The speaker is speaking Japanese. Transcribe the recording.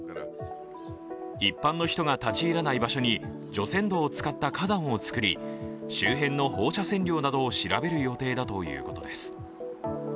一般の人が立ち入らない場所に除染土を使った花壇を作り周辺の放射線量などを調べる予定だということです。